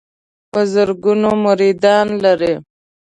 په زرګونو مریدان لري.